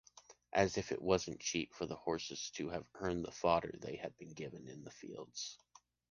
As if it wasn't cheap for the horses to have earned the fodder they had been given in the fields.